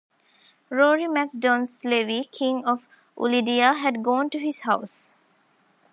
Rory Mac Donslevy, King of Ulidia, had gone to his house.